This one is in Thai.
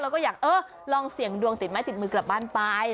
แล้วก็อยากเออลองเสี่ยงดวงติดไม้ติดมือกลับบ้านไป